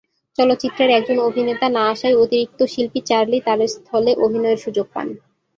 চলচ্চিত্রের একজন অভিনেতা না আসায় অতিরিক্ত শিল্পী চার্লি তার স্থলে অভিনয়ের সুযোগ পান।